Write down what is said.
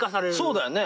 そうだよね。